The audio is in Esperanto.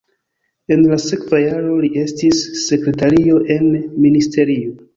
En la sekva jaro li estis sekretario en ministerio.